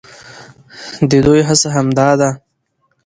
د دوى هڅه هم دا ده،